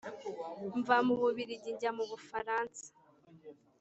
mva mu bubiligi njya mu bufaransa,